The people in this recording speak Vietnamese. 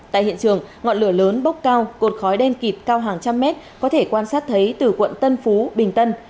tại hiện trường ngọn lửa lớn bốc cao cột khói đen kịp cao hàng trăm mét có thể quan sát thấy từ quận tân phú bình tân